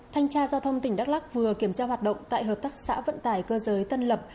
thanh tra giao thông tỉnh đắk lắc vừa kiểm tra hoạt động tại hợp tác xã vận tải cơ giới tân lập